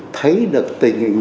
thấy được tình hình